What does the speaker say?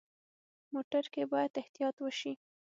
موټر کې باید احتیاط وشي.